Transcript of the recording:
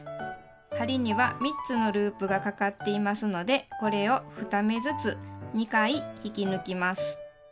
針には３つのループがかかっていますのでこれを２目ずつ２回引き抜きます。